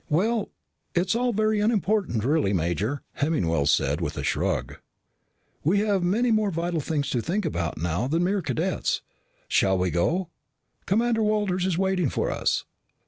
"Well, it's all very unimportant really, Major," Hemmingwell said with a shrug. "We have many more vital things to think about now than mere cadets. Shall we go? Commander Walters is waiting for us."